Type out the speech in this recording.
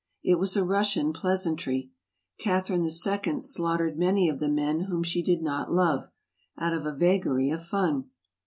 It was a Russian pleasantry. Catherine II. slaughtered many of the men whom she did not love — out of a vagary of fun.